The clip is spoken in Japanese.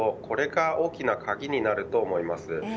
これが大きな鍵になると思います。